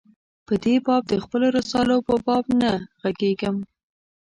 په دې باب د خپلو رسالو په باب نه ږغېږم.